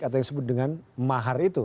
atau yang disebut dengan mahar itu